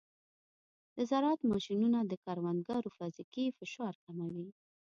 د زراعت ماشینونه د کروندګرو فزیکي فشار کموي.